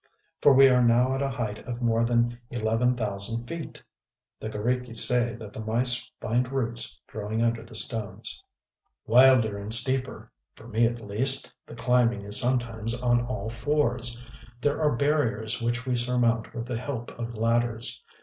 For we are now at a height of more than eleven thousand feet! The g┼Źriki say that the mice find roots growing under the stones.... Wilder and steeper; for me, at least, the climbing is sometimes on all fours. There are barriers which we surmount with the help of ladders.